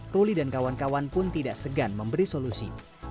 ruli dan kawan kawan pun tidak segan memberi solusi